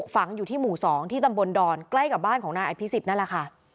ฝังอยู่ที่หมู่๒ที่ตำบลดอนใกล้กับบ้านของนายอภิษฎนั่นแหละค่ะ